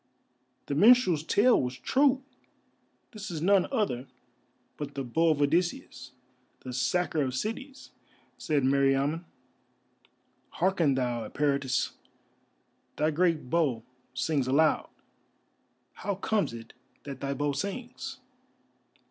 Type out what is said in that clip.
"The minstrel's tale was true! This is none other but the Bow of Odysseus, the sacker of cities," said Meriamun. "Hearken thou, Eperitus, thy great bow sings aloud. How comes it that thy bow sings?"